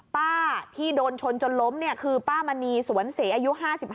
ป้าที่โดนชนจนล้มคือป้ามณีสวนเสอายุ๕๕